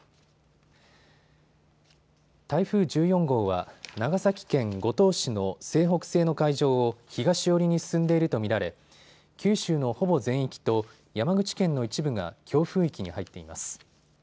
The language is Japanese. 台風１４号は長崎県五島市の西北西の海上を東寄りに進んでいると見られ九州のほぼ全域と山口県の一部が強風域に入っています。